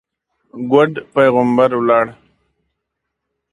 ګوډ پېغمبر ولاړ.